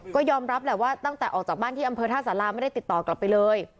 ก็ยอมรับแหละว่าตั้งแต่ออกจากบ้านที่อำเภอท่าสาราไม่ได้ติดต่อกลับไปเลย